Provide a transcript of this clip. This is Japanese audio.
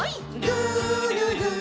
「るるる」